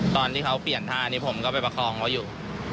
ตอนที่เขาเปลี่ยนท่านี้ผมก็ไปประคองเขาอยู่